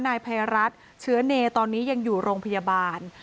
นายภัยรัฐเชื้อเนตอนนี้ยังอยู่โรงพยาบาล